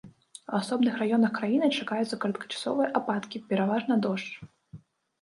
У асобных раёнах краіны чакаюцца кароткачасовыя ападкі, пераважна дождж.